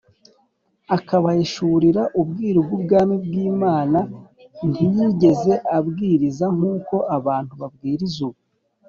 , akabahishurira ubwiru bw’Ubwami bw’Imana. Ntiyigeze abwiriza nk’uko abantu babwiriza ubu